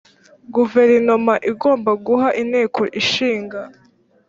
guverinoma igomba guha inteko ishinga